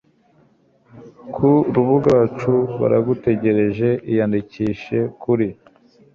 ku rubuga rwacu baragutegereje Iyandikishe kuri